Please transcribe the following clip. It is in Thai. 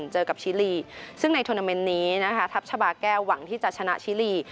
ชิลีซึ่งในทุนาเมนนี้ทัพชาบาแก้วหวังที่จะชนะชิลี